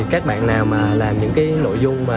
các bạn nào mà làm những nội dung